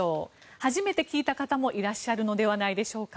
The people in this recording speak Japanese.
初めて聞いた方もいらっしゃるのではないでしょうか。